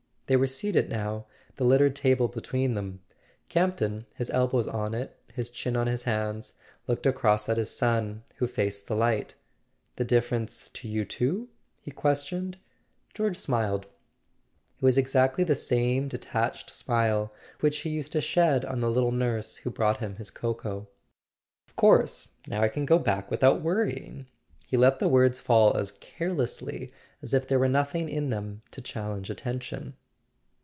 They were seated now, the littered table between them. Campton, his elbows on it, his chin on his hands, looked across at his son, who faced the light. "The difference to you too?" he questioned. George smiled: it was exactly the same detached smile which he used to shed on the little nurse who brought him his cocoa. "Of course. Now I can go back without worrying." He let the words fall as carelessly as if there were noth¬ ing in them to challenge attention.